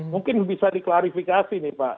mungkin bisa diklarifikasi nih pak